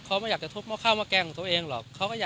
เขาไม่อยากจะทบเมื่อเข้ามาแกล้งของตัวเองหรอก